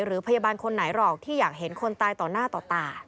หรือพยาบาลคนไหนหรอกที่อยากเห็นคนตายต่อหน้าต่อตา